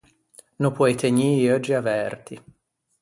No poei tegnî i euggi averti.